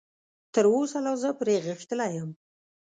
تراوسه لا زه پرې غښتلی یم.